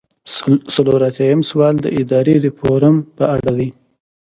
څلور ایاتیام سوال د اداري ریفورم په اړه دی.